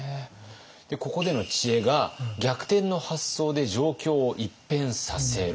ここでの知恵が「逆転の発想で状況を一変させろ！」。